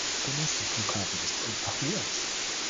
Der nächste Flughafen ist in Ahuas.